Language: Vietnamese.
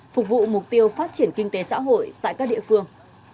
phục vụ mục tiêu phát triển kinh tế xã hội tại các địa phương